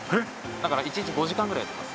だから１日５時間ぐらいやってます。